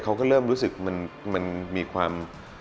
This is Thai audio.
เขาก็เริ่มรู้สึกมันมีความ